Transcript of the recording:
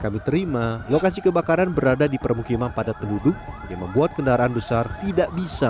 kami terima lokasi kebakaran berada di permukiman padat penduduk yang membuat kendaraan besar tidak bisa